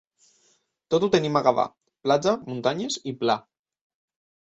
Tot ho tenim a Gavà: platja, muntanyes i pla.